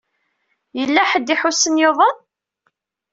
Yella ḥedd i iḥussen yuḍen?